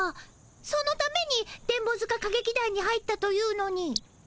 そのために電ボ塚歌劇団に入ったというのに。